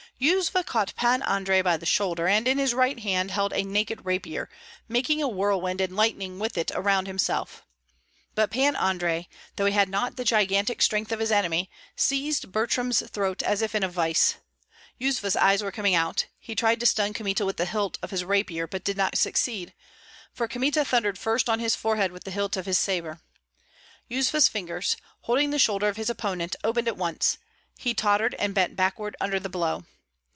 Yuzva caught Pan Andrei by the shoulder, and in his right hand held a naked rapier, making a whirlwind and lightning with it around himself. But Pan Andrei, though he had not the gigantic strength of his enemy, seized Butrym's throat as if in a vice. Yuzva's eyes were coming out; he tried to stun Kmita with the hilt of his rapier, but did not succeed, for Kmita thundered first on his forehead with the hilt of his sabre. Yuzva's fingers, holding the shoulder of his opponent, opened at once; he tottered and bent backward under the blow.